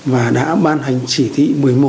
và đã ban hành chỉ thị một mươi một